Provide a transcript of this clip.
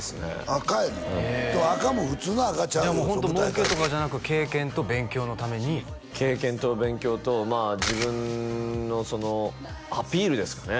赤やねん赤も普通の赤ちゃうよもうホント儲けとかじゃなく経験と勉強のために経験と勉強とまあ自分のそのアピールですかね